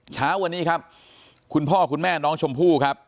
เช้าวันนี้ครับคุณพ่อคุณแม่น้องชมพู่ครับ